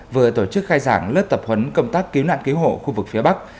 vừa tổ chức khai giảng lớp tập huấn công tác cứu nạn cứu hộ khu vực phía bắc